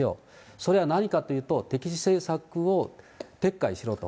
それは何かというと、敵視政策を撤回しろと。